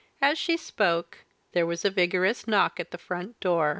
As she spoke there was a vigorous knock at the front door.